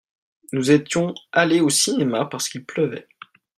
Nous étions allés au cinéma parce qu'il pleuvait.